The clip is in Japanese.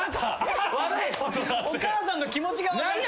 お母さんの気持ちが分からない。